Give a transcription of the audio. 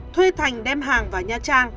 thuê thành đem hàng vào nha trang